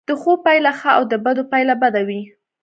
د ښو پایله ښه او د بدو پایله بده وي.